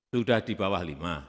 sudah di bawah lima